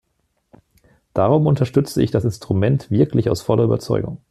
Darum unterstützte ich das Instrument wirklich aus voller Überzeugung.